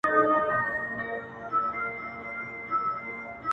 بلا وهلی يم، چي تا کوم بلا کومه,